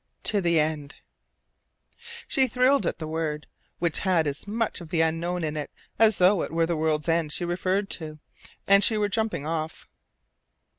"To the end!" She thrilled at the word, which had as much of the unknown in it as though it were the world's end she referred to, and she were jumping off.